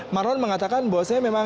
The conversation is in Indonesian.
marlon mengatakan bahwa